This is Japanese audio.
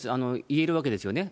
言えるわけですよね。